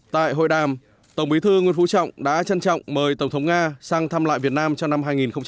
tại hội đàm tổng bí thư nguyễn phú trọng đã trân trọng mời tổng thống nga sang thăm lại việt nam cho năm hai nghìn một mươi chín